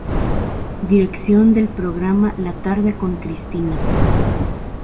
Dirección del programa "La tarde con Cristina".